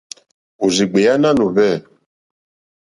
Òrzìɡbèá nánù hwɛ̂.